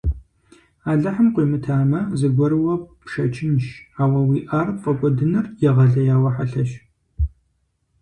Алыхьым къуимытамэ, зыгуэрурэ пшэчынщ, ауэ уиӀар пфӀэкӀуэдыныр егъэлеяуэ хьэлъэщ.